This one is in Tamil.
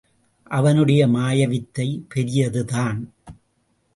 அவனுடைய மாயவித்தை பெரியதுதான்.